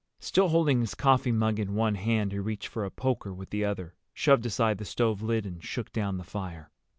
Still holding his coffee mug in one hand, he reached for a poker with the other, shoved aside the stove lid and shook down the fire.